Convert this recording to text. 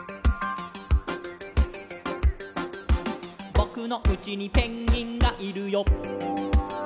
「ぼくのうちにペンギンがいるよ」